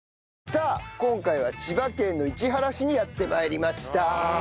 さあ今回は千葉県の市原市にやって参りました。